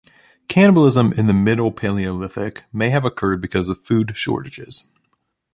Cannibalism in the Middle Paleolithic may have occurred because of food shortages.